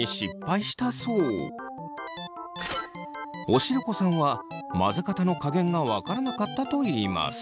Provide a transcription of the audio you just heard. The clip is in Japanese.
おしるこさんは混ぜ方の加減が分からなかったといいます。